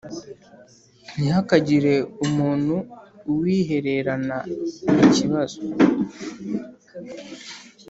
Ntihakagire umuntu uwihererana ikibazo.